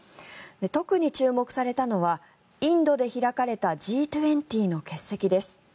特に注目されたのはインドで開かれたＧ２０の欠席です。